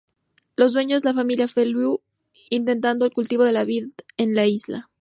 Los dueños, la familia Feliu, intentan el cultivo de vid en la isla.